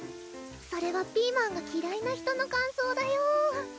それはピーマンがきらいな人の感想だよ